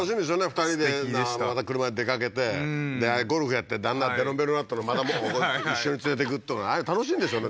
２人でまた車で出かけてでゴルフやって旦那ベロンベロンなったらまた一緒に連れてくっていうの楽しいんでしょうね